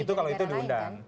itu kalau itu diundang